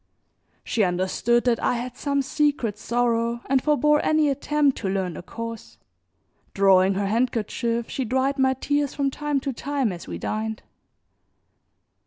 She understood that I had some secret sorrow and forebore any attempt to learn the cause; drawing her handkerchief she dried my tears from time to time as we dined.